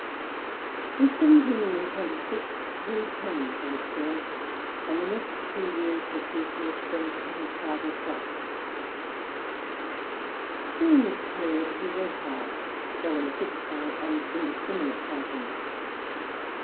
In 1726 he returned to Lichfield, and the next two years were chiefly spent in his father's shop. During this period he read hard, though in a fitful and indiscriminate fashion.